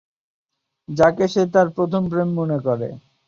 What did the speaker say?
যাকে সে তার প্রথম প্রেম মনে করে।